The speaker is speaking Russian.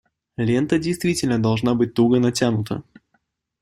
Лента действительно должна быть туго натянута.